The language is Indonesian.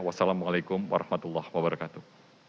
wassalamu'alaikum warahmatullahi wabarakatuh